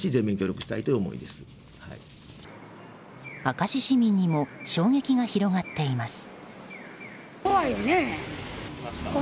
明石市民にも衝撃が広がっています。